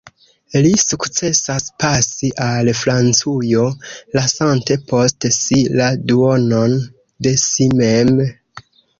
Li sukcesas pasi al Francujo, lasante post si la duonon de si mem.